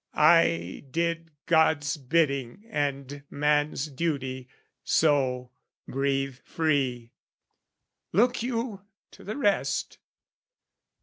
I did God's bidding and man's duty, so, breathe free; Look you to the rest!